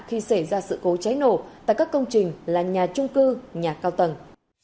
khi xảy ra sự cố cháy nổ tại các công trình là nhà trung cư nhà cao tầng